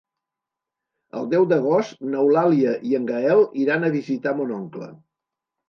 El deu d'agost n'Eulàlia i en Gaël iran a visitar mon oncle.